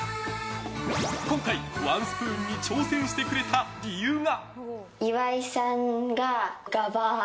今回、ワンスプーンに挑戦してくれた理由が。